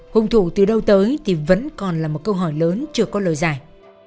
hùng thủ từ đâu tới thì vẫn còn là một câu hỏi lớn chưa có lời giải